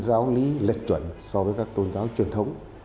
giáo lý lệch chuẩn so với các tôn giáo truyền thống